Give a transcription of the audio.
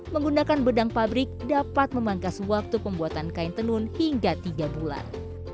menggunakan benang pabrik dapat memangkas waktu pembuatan kain tenun hingga tiga bulan